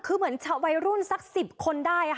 คือเหมือนจะไว้รุ่นซักสิบคนได้